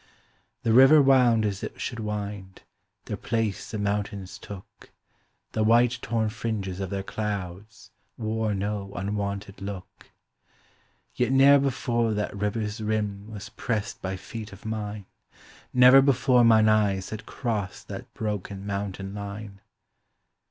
The river wound as it should wind; Their place the mountains took; The white torn fringes of their clouds Wore no unwonted look. Yet ne'er before that river's rim Was pressed by feet of mine, Never before mine eyes had crossed That broken mountain line.